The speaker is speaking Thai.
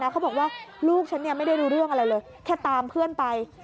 เขาบอกว่าลูกฉันไม่ได้รู้เรื่องอะไรเลยแค่ตามเพื่อนไป